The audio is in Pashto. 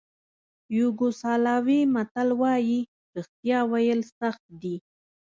یوګوسلاویې متل وایي رښتیا ویل سخت دي.